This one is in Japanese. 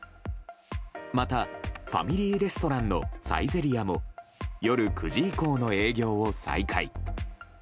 また、ファミリーレストランのサイゼリヤも夜９時以降の営業を再開。